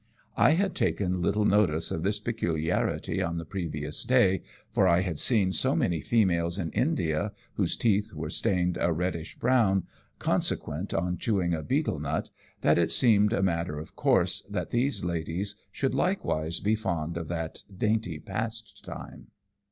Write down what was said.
I had taken little notice of this peculiarity on the previous day, for I had seen so many females in India whose teeth were stained a reddish brown, consequent on chewing a betel nut, that it seemed a matter of course that these ladies should likewise be fond of that dainty pastime.